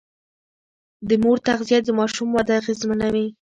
د مور تغذيه د ماشوم وده اغېزمنوي.